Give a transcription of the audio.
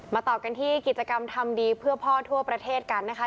ต่อกันที่กิจกรรมทำดีเพื่อพ่อทั่วประเทศกันนะคะ